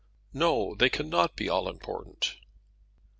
"No; they cannot be all important."